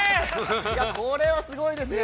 ◆これはすごいですね。